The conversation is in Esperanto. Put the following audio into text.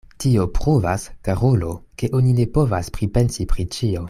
Tio pruvas, karulo, ke oni ne povas pripensi pri ĉio.